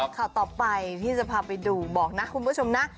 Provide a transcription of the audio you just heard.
ข่าวต่อไปพี่จะพาไปดูบอกนะคุณผู้ชมนะ